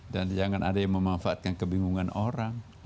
dan jangan ada yang memanfaatkan kebingungan orang